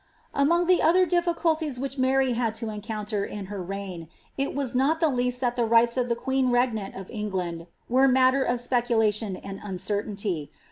Among the other difficulties which Mary had to encounter in her reign, it was not the least that the rights c^ queen regnant of England were matter of speculation and uncertainty.